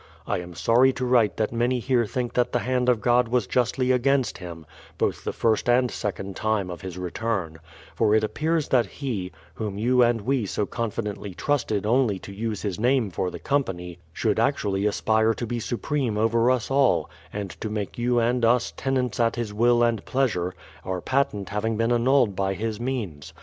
I am sorry to write that many here think that the hand of God was justly against him, both the first and second time of his return ; for it appears that he, whom 3'ou and we so confidently trusted only to use his name for the company, should actually aspire to be supreme over us all, and to make you and us tenants at his will and pleasure, our patent having been annulled by his means.